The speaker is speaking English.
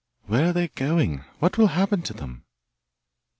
'Where are they going? What will happen to them?